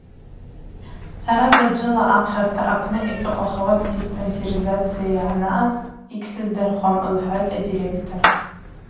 Сара заджвыла апхьарта апны йцӏыхъвахауата диспансеризация анаъаз гьсыздырхуам, – лхӏватӏ адиректор.